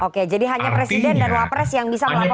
oke jadi hanya presiden dan wapres yang bisa melaporkan